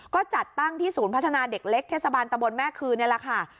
ก็จัดตั้งที่ศูนย์พัฒนาเด็กเล็กเทศบาลตะบนแม่คือนี่แหละค่ะ